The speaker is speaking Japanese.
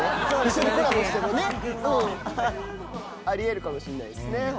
あり得るかもしんないですね。